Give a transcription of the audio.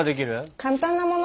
簡単なもの。